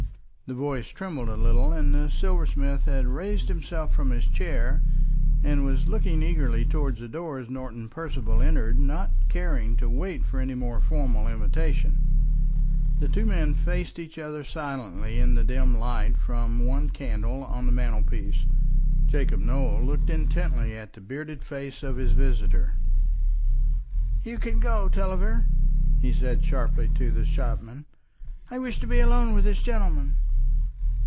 The voice trembled a little; and the silversmith had raised himself from his chair, and was looking eagerly towards the door as Norton Percival entered, not caring to wait for any more formal invitation. The two men faced each other silently in the dim light from one candle on the mantelpiece, Jacob Nowell looking intently at the bearded face of his visitor. "You can go, Tulliver," he said sharply to the shopman. "I wish to be alone with this gentleman."